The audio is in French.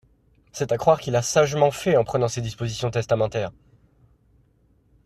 C’est à croire qu’il a sagement fait en prenant ses dispositions testamentaires!